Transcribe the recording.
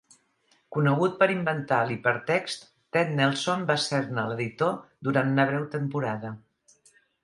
Conegut per inventar l'hipertext, Ted Nelson va ser-ne l'editor durant una breu temporada.